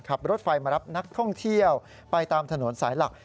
ขับรถไฟมารับนักท่องเที่ยวไปตามถนนสายหลัก